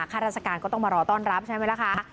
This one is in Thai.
ข้าราชการก็ต้องมารอต้อนรับใช่ไหมล่ะคะ